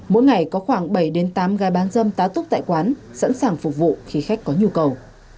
mỗi ngày có khoảng bảy tám gái bán dâm tá túc tại quán sẵn sàng phục vụ khi khách có nhu cầu